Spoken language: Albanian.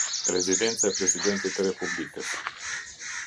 Rezidenca e Presidentit të Republikës.